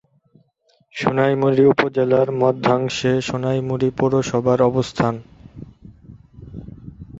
সোনাইমুড়ি উপজেলার মধ্যাংশে সোনাইমুড়ি পৌরসভার অবস্থান।